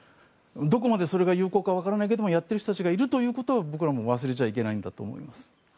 どこまでそれが有効かはわからないけどやっている人たちがいることを僕らも忘れてはいけないと思います。